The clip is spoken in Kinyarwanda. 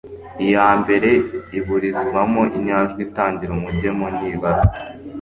iya mbere iburizwamo; inyajwi itangira umugemo ntibarwa.